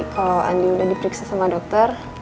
kalau andi sudah diperiksa sama dokter